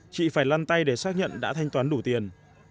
chị phải lăn tay để xác nhận đã thanh toán đủ tiền